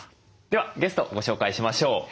ではゲストご紹介しましょう。